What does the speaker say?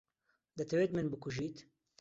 دەتەوێت من بکوژیت؟